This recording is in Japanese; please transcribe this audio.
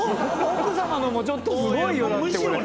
奥様のもちょっとすごいよだってこれ。